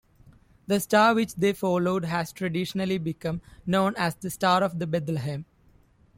The star which they followed has traditionally become known as the Star of Bethlehem.